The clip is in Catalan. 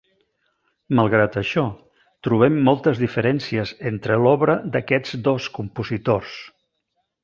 Malgrat això, trobem moltes diferències entre l’obra d’aquests dos compositors.